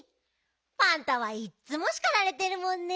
パンタはいっつもしかられてるもんね。